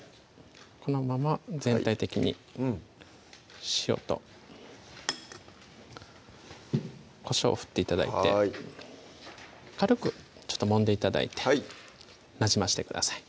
このまま全体的に塩とこしょうを振って頂いて軽くもんで頂いてなじましてください